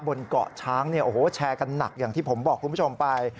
บนเกาะช้างแชร์กันหนักอย่างที่ผมบอกคุณผู้ชมไป